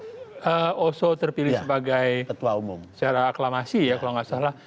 ketika oso terpilih sebagai ketua umum secara aklamasi ya kalau nggak salah